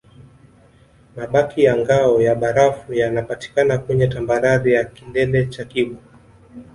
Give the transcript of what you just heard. Mabaki ya ngao ya barafu yanapatikana kwenye tambarare ya kilele cha kibo